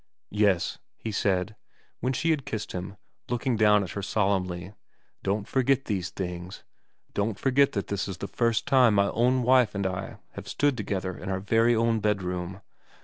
' Yes,' he said, when she had kissed him, looking down at her solemnly, '/ don't forget these things. / xvin VERA 205 don't forget that this is the first time my own wife and I have stood together in our very own bedroom.'